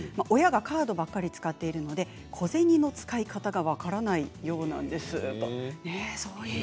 親がカードばかり使っているので小銭の使い方が分からないようなんです。